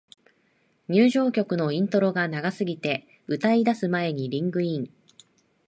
入場曲のイントロが長すぎて、歌い出す前にリングイン